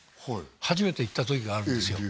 初めて行った時があるんですよ